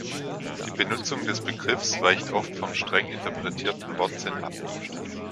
Die Benutzung des Begriffs weicht oft vom streng interpretierten Wortsinn ab.